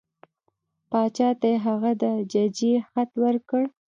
باچا ته یې هغه د ججې خط ورکړ.